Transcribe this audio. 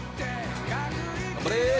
頑張れ。